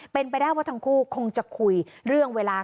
เป็นไปได้ว่าทั้งคู่คงจะคุยเรื่องเวลา